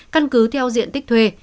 căn cứ theo diện tích thuê